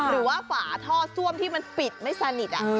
หรือฝาท่อส้วมที่มันปิดไม่สนิท